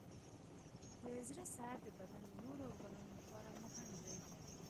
د زړه صحت د بدن د نورو ارګانونو لپاره مهم دی.